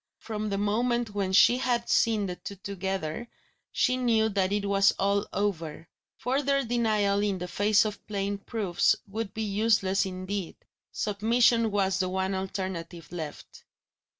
From the moment when she had seen the two together, she knew that it was all over; further denial in the face of plain proofs would be useless indeed! Submission was the one alternative left.